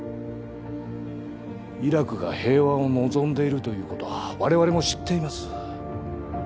イラクが平和を望んでいるということは我々も知っています。